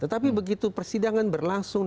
tetapi begitu persidangan berlangsung